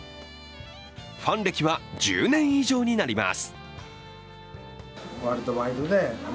ファン歴は１０年以上になります。